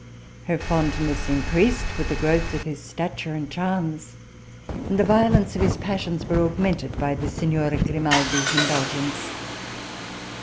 Her fondness increased with the growth of his stature and charms, and the violence of his passions were augmented by the signora Grimaldi's indulgence.